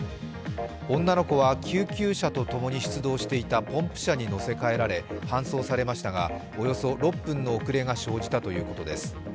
女の子は救急車とともに出動していたポンプ車に乗せ替えられ搬送されましたが、およそ６分の遅れが生じたということです。